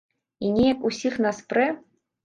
І неяк ўсіх нас прэ!